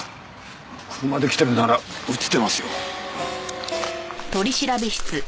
車で来てるなら映ってますよ。